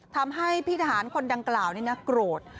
ทำให้พี่ทหารคนดังกล่าวนี่นะโกรธ